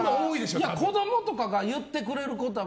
子供とかが言ってくれることは。